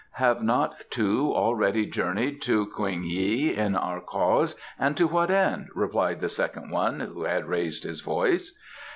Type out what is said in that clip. "Have not two already journeyed to Kuing yi in our cause, and to what end?" replied the second one who had raised his voice.